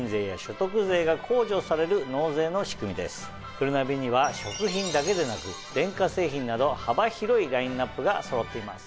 「ふるなび」には食品だけでなく電化製品など幅広いラインアップがそろっています。